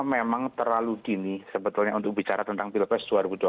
memang terlalu dini sebetulnya untuk bicara tentang pilpres dua ribu dua puluh